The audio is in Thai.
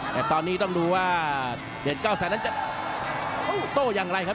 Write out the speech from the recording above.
แต่ตอนนี้ต้องดูว่าเด็ดเก้าแสนนั้นจะโต้อย่างไรครับ